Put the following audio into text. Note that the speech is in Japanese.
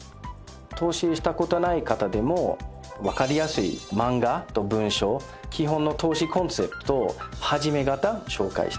投資した事ない方でもわかりやすいマンガと文章基本の投資コンセプト始め方紹介してます。